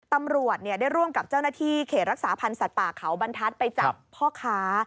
ตำรวจได้ร่วมกับเจ้าหน้าที่เขตรักษาพันธ์สัตว์ป่าเขาบรรทัศน์ไปจับพ่อค้า